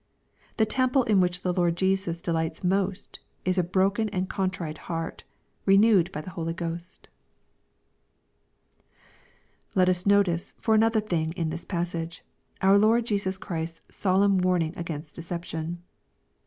The temple in which the Lord Jesus delights most, is a broken and contrite heart, re newed by the Holy Ghost. Let us notice for another thing in this passage, ov/r Lord Jesus Christ's solemn warning against deception.